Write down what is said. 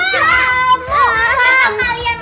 ya gara gara kalian wak